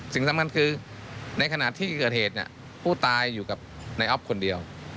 สิ่งสำคัญคือในขณะที่เกิดเหตุผู้ตายอยู่กับนายอ๊อฟคนเดียว